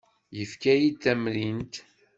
Yefka-iyi-d tamrint.